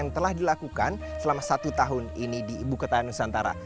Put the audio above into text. yang telah dilakukan selama satu tahun ini di ibu kota nusantara